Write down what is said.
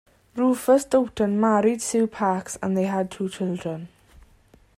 Rufus Doughton married Sue Parks and they had two children.